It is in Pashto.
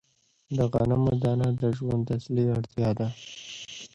د غنمو دانه د ژوند اصلي اړتیا ده.